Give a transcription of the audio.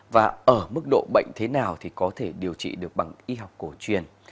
và ở mức độ bệnh thế nào thì có thể điều trị được bằng y học cổ truyền